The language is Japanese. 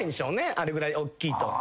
あれぐらいおっきいと。